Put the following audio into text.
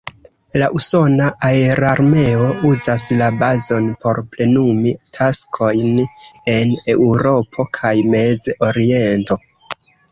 La usona aerarmeo uzas la bazon por plenumi taskojn en Eŭropo kaj Mez-Oriento.